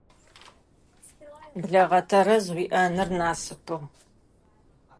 Блэгъэ тэрэз уиӏэныр насыпыгъ.